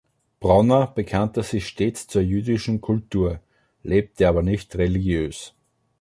Bronner bekannte sich stets zur jüdischen Kultur, lebte aber nicht religiös.